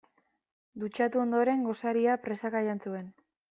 Dutxatu ondoren gosaria presaka jan zuen.